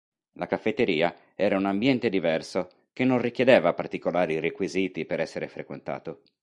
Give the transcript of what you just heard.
La caffetteria era un ambiente diverso che non richiedeva particolari requisiti per essere frequentato.